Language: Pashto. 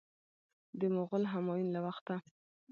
د مغول همایون له وخته.